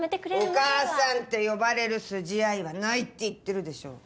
お母さんって呼ばれる筋合いはないって言ってるでしょ。